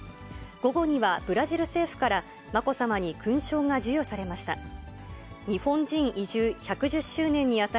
午後にはブラジル政府からまこさまに勲章が授与されました。